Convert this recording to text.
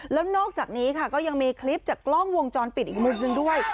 แล้วนอกจากนี้ค่ะก็ยังมีคลิปจากกล้องวงจรปิดอีกมุมหนึ่งด้วย